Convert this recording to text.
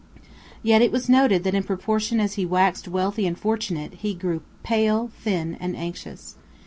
Yet it was noted that in proportion as he waxed wealthy and fortunate, he grew pale, thin, and anxious.